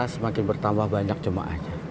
semakin bertambah banyak jemaahnya